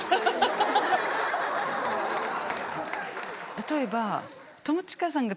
例えば。